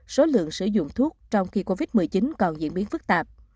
số lượng sử dụng thuốc trong khi covid một mươi chín còn diễn biến phức tạp